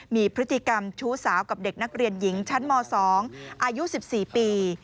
มีพฤติกรรมชู้สาวกับเด็กนักเรียนหญิงชั้นม๒อายุ๑๔ปี